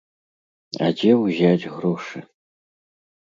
А дзе ўзяць грошы?